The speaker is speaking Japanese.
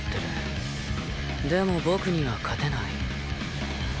でも僕には勝てない。